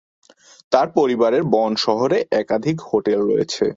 তার পরিবারের বন শহরে একাধিক হোটেল রয়েছে।